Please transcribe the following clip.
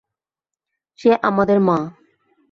সে আমাদের মা।